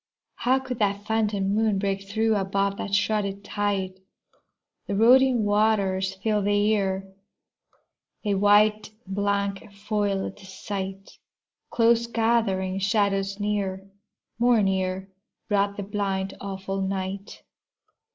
How could that phantom moon break through, Above that shrouded tide? The roaring waters filled the ear, A white blank foiled the sight. Close gathering shadows near, more near, Brought the blind, awful night.